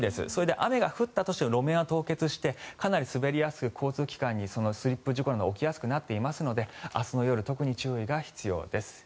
雨が降ったとしても路面が凍結してかなり滑りやすく交通機関スリップ事故など起こりやすくなっていますので明日の夜、特に注意が必要です。